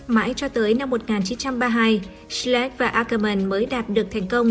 mãi cho tới năm một nghìn chín trăm ba mươi hai schleck và ackermann mới đạt được thành công